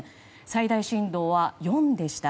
最大震度は４でした。